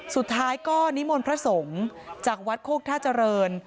สุดท้ายก็นิมนต์พระสงฆ์จากวัดโคกท่าเจริญ